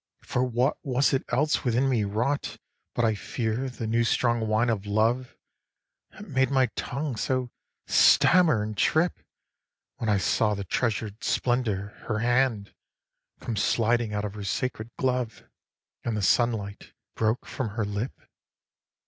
For what was it else within me wrought But, I fear, the new strong wine of love, That made my tongue so stammer and trip When I saw the treasured splendour, her hand, Come sliding out of her sacred glove, And the sunlight broke from her lip?